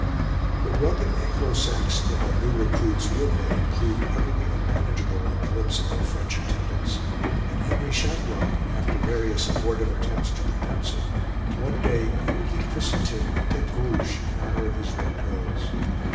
The rugged Anglo Saxon of our new recruit's real name proved utterly unmanageable on the lips of our French attendants, and Henry Chatillon, after various abortive attempts to pronounce it, one day coolly christened him Tete Rouge, in honor of his red curls.